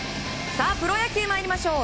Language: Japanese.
プロ野球まいりましょう。